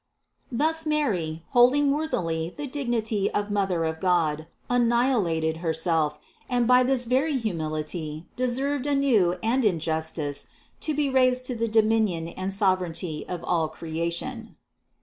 Thus Mary, holding worthily the dignity of Mother of God, annihilated Herself, and by this very humility de served anew and in justice to be raised to the dominion and sovereignty of all creation.